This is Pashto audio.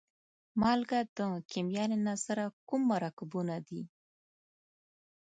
مالګې د کیمیا له نظره کوم مرکبونه دي؟